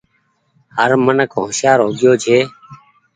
هر منک هوشيآر هو گيو ڇي۔